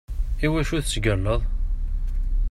Iwacu tettgallaḍ?